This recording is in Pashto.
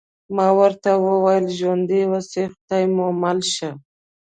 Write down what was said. ما ورته وویل: ژوندي اوسئ، خدای مو مل شه.